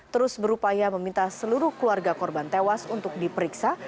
terus berupaya meminta seluruh keluarga korban tewas untuk diperiksa